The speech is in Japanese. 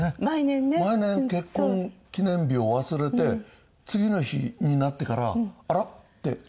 毎年結婚記念日を忘れて次の日になってから「あら？」って。